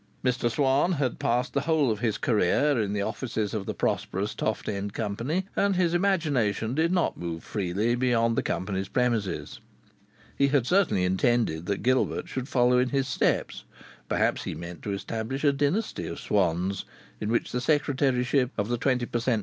Mr Swann had passed the whole of his career in the offices of the prosperous Toft End Company, and his imagination did not move freely beyond the company's premises. He had certainly intended that Gilbert should follow in his steps; perhaps he meant to establish a dynasty of Swanns, in which the secretaryship of the twenty per cent.